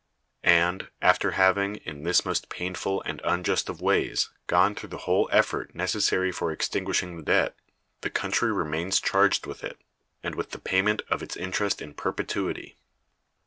And, after having, in this most painful and unjust of ways, gone through the whole effort necessary for extinguishing the debt, the country remains charged with it, and with the payment of its interest in perpetuity.